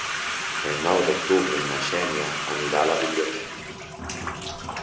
El nou d'octubre na Xènia anirà a la biblioteca.